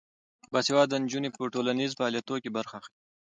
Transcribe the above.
باسواده نجونې په ټولنیزو فعالیتونو کې برخه اخلي.